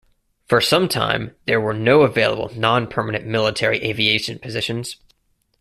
For some time there were no available non-permanent military aviation positions.